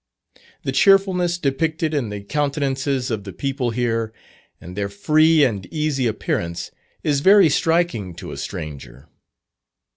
The cheerfulness depicted in the countenances of the people here, and their free and easy appearance, is very striking to a stranger.